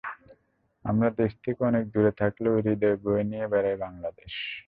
আমরা দেশ থেকে অনেক দুরে থাকলেও হৃদয়ে বয়ে নিয়ে বেড়াই বাংলাদেশ।